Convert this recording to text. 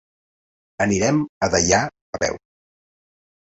Anirem a Deià a peu.